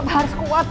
mama harus kuat pa